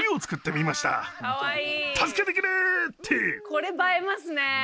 これ映えますね。